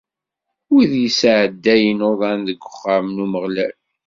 Wid i yesɛeddayen uḍan deg uxxam n Umeɣlal!